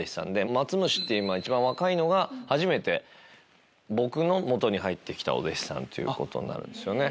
まつ虫って一番若いのが初めて僕の下に入って来たお弟子さんになるんですよね。